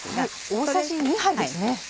大さじ２杯ですね。